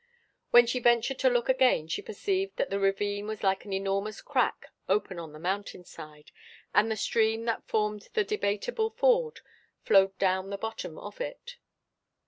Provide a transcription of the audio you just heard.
When she ventured to look again, she perceived that the ravine was like an enormous crack open on the mountain side, and that the stream that formed the Debateable Ford flowed down the bottom of it.